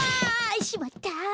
しまった。